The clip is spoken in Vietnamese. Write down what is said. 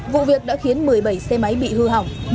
vụ việc đã khiến một mươi bảy xe máy bị hư hỏng